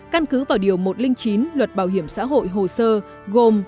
căn cứ vào điều một trăm linh chín luật bảo hiểm xã hội hồ sơ gồm